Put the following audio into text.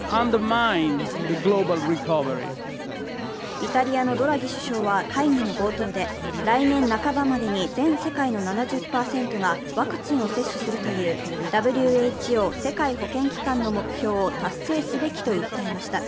イタリアのドラギ首相は会議の冒頭で来年半ばまでに全世界の７０％がワクチンを接種するというＷＨＯ＝世界保健機関の目標を達成すべきと訴えました。